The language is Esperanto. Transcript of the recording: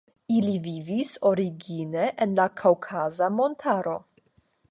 Ili vivis origine en la Kaŭkaza montaro.